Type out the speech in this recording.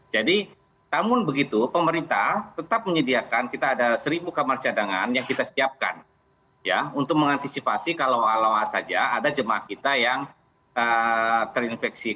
jadi namun begitu pemerintah tetap menyediakan kita ada seribu kamar cadangan yang kita siapkan ya untuk mengantisipasi kalau alau alau saja ada jemaah kita yang terinfeksi